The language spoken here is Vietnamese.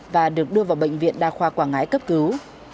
và được đưa vào bệnh viện đa khoa quảng ngãi cấp cứu